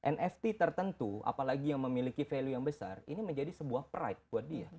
nft tertentu apalagi yang memiliki value yang besar ini menjadi sebuah pride buat dia